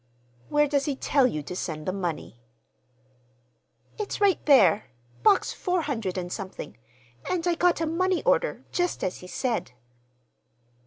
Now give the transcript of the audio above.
"Where does he tell you to send the money?" "It's right there—Box four hundred and something; and I got a money order, just as he said."